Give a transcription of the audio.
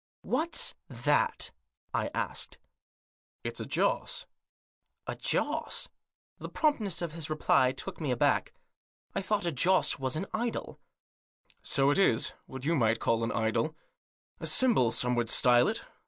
" What's that ?" I asked. " It's a joss." " A joss ?" The promptness of his reply took me aback. " I thought a joss was an idol." Digitized by 166 THE JOSS. " So it is ; what you might call an idol. A symbol some would style it.